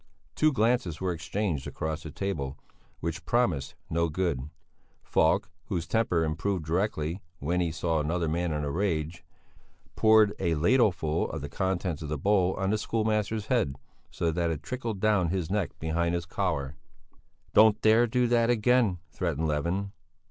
Two glances were exchanged across the table which promised no good. Falk, whose temper improved directly he saw another man in a rage, poured a ladleful of the contents of the bowl on the schoolmaster's head, so that it trickled down his neck behind his collar. "Don't dare to do that again!" threatened Levin.